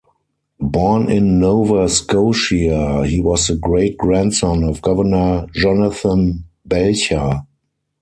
Born in Nova Scotia, he was the great-grandson of Governor Jonathan Belcher.